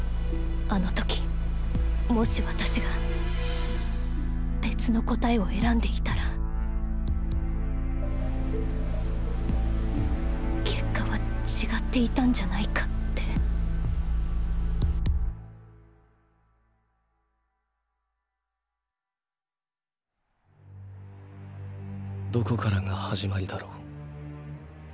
あの時もし私が別の答えを選んでいたら結果は違っていたんじゃないかってどこからが始まりだろう。